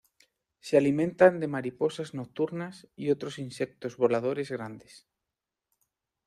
Se alimentan de mariposas nocturnas y otros insectos voladores grandes.